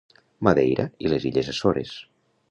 Madeira i les illes Açores.